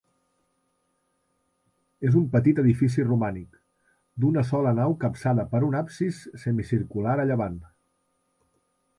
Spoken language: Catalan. És un petit edifici romànic, d'una sola nau capçada per un absis semicircular a llevant.